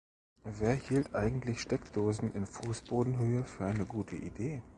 Wer hielt eigentlich Steckdosen in Fußbodenhöhe für eine gute Idee?